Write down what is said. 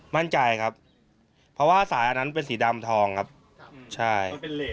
มั่นใจครับเพราะว่าสายอันนั้นเป็นสีดำทองครับใช่